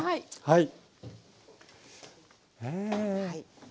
はい。